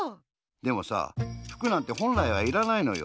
でもさ服なんてほんらいはいらないのよ。